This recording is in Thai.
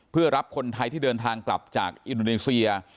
เพื่อรับคนไทยที่เดินทางกลับจากอินโดนีเซีย